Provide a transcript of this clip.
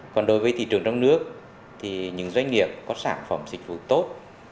còn đối với thị trường trong nước thì những doanh nghiệp có sản phẩm dịch vụ tốt